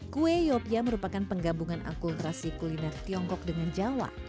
kue yopia merupakan penggabungan akultrasi kuliner tiongkok dengan jawa